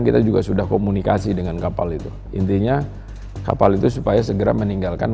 kita juga sudah komunikasi dengan kapal itu intinya kapal itu supaya segera meninggalkan